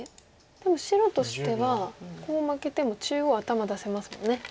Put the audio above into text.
でも白としてはコウを負けても中央頭出せますもんね。